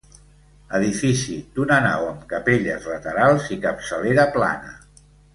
Edifici d'una nau amb capelles laterals i capçalera plana.